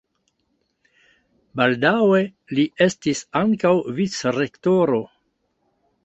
Baldaŭe li estis ankaŭ vicrektoro.